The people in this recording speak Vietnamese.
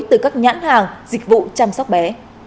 từ các nhãn hàng dịch vụ chăm sóc bé